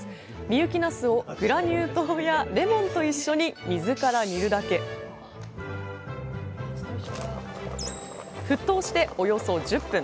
深雪なすをグラニュー糖やレモンと一緒に水から煮るだけ沸騰しておよそ１０分。